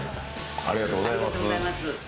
ありがとうございます。